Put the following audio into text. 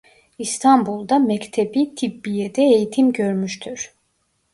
İstanbul'da Mekteb-î Tıbbiye'de eğitim görmüştür.